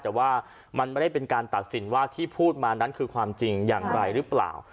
แต่ว่ามันไม่ได้เป็นการตัดสินว่าที่พูดมานั้นคือความจริงอย่างไรหรือเปล่า